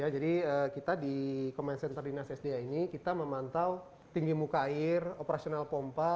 jadi kita di comment center dinas sma ini kita memantau tinggi muka air operasional pompa